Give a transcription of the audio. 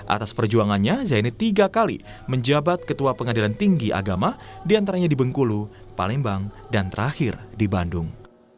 atas perjuangannya zaini tiga kali menjabat ketua pengadilan tinggi agama diantaranya di bengkulu palembang dan terakhir di bandung